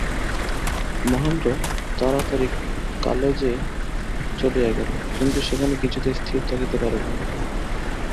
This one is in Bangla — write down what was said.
মহেন্দ্র তাড়াতাড়ি কালেজে চলিয়া গেল, কিন্তু সেখানে কিছুতেই স্থির থাকিতে পারিল না।